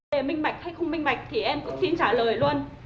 về minh bạch hay không minh mạch thì em cũng xin trả lời luôn